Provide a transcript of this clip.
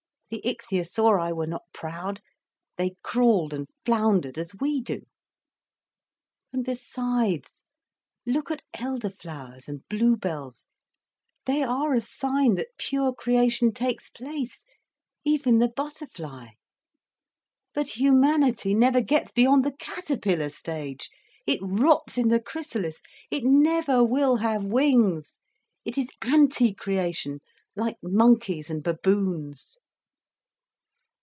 The ichthyosauri were not proud: they crawled and floundered as we do. And besides, look at elder flowers and bluebells—they are a sign that pure creation takes place—even the butterfly. But humanity never gets beyond the caterpillar stage—it rots in the chrysalis, it never will have wings. It is anti creation, like monkeys and baboons."